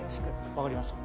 分かりました。